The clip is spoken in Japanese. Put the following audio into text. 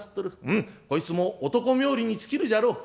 うんこいつも男冥利に尽きるじゃろう。